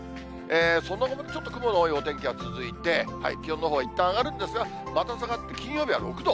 その後もちょっと雲が多いお天気が続いて、気温のほうはいったん上がるんですが、また下がって、金曜日は６度。